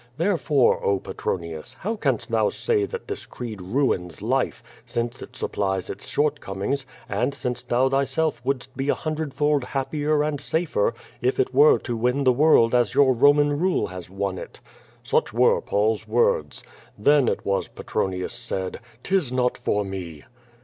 Therefore, oh, Petronius, how canst thou say that this creed ruins life, since it supplies its shortcomings, and since thou thyself wouldst be a hundredfold happier and safer if it were to win the world as your Eoman rule has won it?' Such were Paul's words. Then it was Petronius said, * ^Tis not for me.'